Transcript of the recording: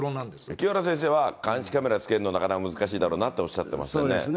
清原先生は監視カメラ付けるのなかなか難しいだろうなっておそうですね。